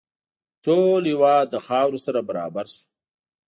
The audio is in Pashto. ټول هېواد له خاورو سره برابر شو.